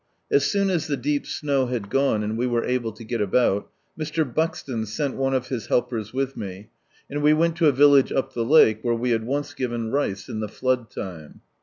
As soon as the deep snow liad gone, and we were able to get about, Mr. Buxton sent one of his helpers with me, and we went to a village up the lake, where we had once given rice in the flood time.